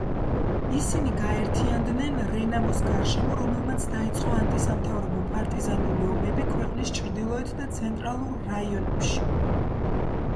ისინი გაერთიანდნენ რენამოს გარშემო, რომელმაც დაიწყო ანტისამთავრობო პარტიზანული ომები ქვეყნის ჩრდილოეთ და ცენტრალურ რაიონებში.